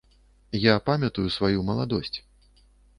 Я памятаю сваю маладосць.